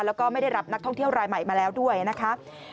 แล้วก็ไม่ได้รับนักท่องเที่ยวรายใหม่มาแล้วด้วยนะคะ